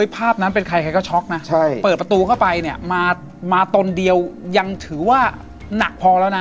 ภาพนั้นเป็นใครใครก็ช็อกนะเปิดประตูเข้าไปเนี่ยมาตนเดียวยังถือว่าหนักพอแล้วนะ